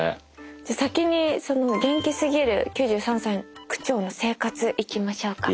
じゃあ先にその「元気すぎる９３歳区長の生活」いきましょうか。